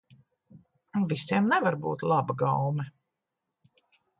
Visiem nevar būt laba gaume.